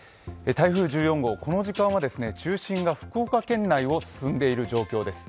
台風１４号、この時間は中心が福岡県内を進んでいる状況です。